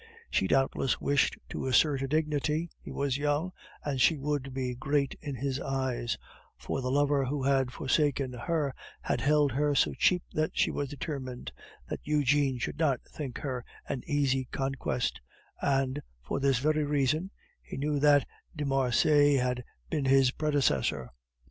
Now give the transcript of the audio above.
She doubtless wished to assert her dignity; he was young, and she would be great in his eyes; for the lover who had forsaken her had held her so cheap that she was determined that Eugene should not think her an easy conquest, and for this very reason he knew that de Marsay had been his predecessor.